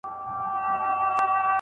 درې ملګري له کلو انډیوالان وه